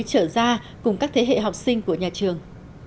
trở ra cùng các thế hệ học sinh của nhà trường